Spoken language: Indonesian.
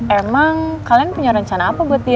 emang kalian punya rencana apa buat dia